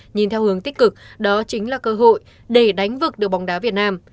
nhìn theo hướng tích cực đó chính là cơ hội để đánh vực được bóng đá việt nam